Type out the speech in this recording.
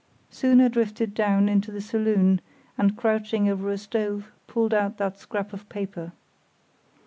Soon I drifted down into the saloon, and crouching over a stove pulled out that scrap of paper.